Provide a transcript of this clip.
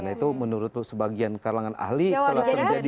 nah itu menurut sebagian kalangan ahli telah terjadi